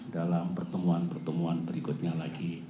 dalam pertemuan pertemuan berikutnya lagi